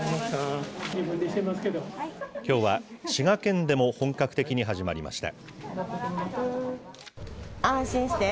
きょうは滋賀県でも本格的に始まりました。